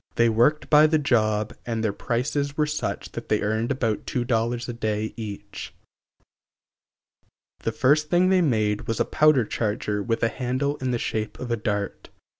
They worked by the job and their prices were such that they earned about two dollars a day each. The first thing they made was a powder charger with a handle in the shape of a dart (Fig. 2, Pl. XIX).